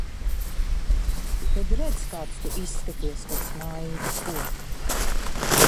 Tad redz kāds tu izskaties, kad smaidi, ko?